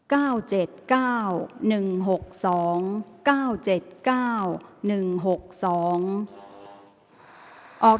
อ๋อรวัลที่๕ครั้งที่๑๖